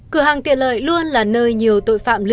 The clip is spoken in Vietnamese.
cửa hàng tiện lợi luôn là nơi nhiều tội phạm lưu